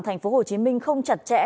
thành phố hồ chí minh không chặt chẽ